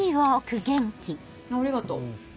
ありがとう。